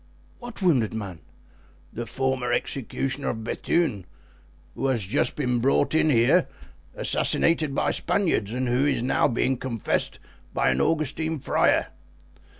"What wounded man?" "The former executioner of Bethune, who has just been brought in here, assassinated by Spaniards, and who is now being confessed by an Augustine friar."